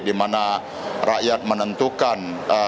di mana rakyat menentukan